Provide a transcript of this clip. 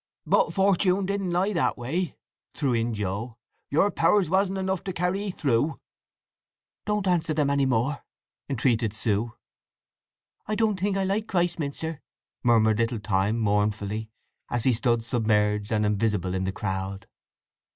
"But Fortune didn't lie that way?" threw in Joe. "Yer powers wasn't enough to carry 'ee through?" "Don't answer them any more!" entreated Sue. "I don't think I like Christminster!" murmured little Time mournfully, as he stood submerged and invisible in the crowd.